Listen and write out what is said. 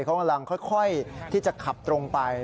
เขากำลังค่อยที่จะขับตรงไป